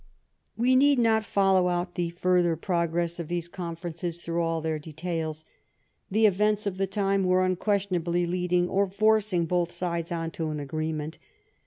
We need not follow out the further progress of these conferences through all their details. The events of the time were unquestionably leading, or forcing, both sides on to an agreement.